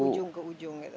dari ujung ke ujung